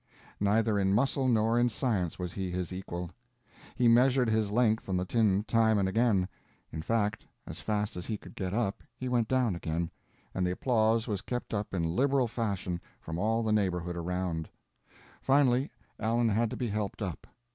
Neither in muscle nor in science was he his equal. He measured his length on the tin time and again; in fact, as fast as he could get up he went down again, and the applause was kept up in liberal fashion from all the neighborhood around. Finally, Allen had to be helped up.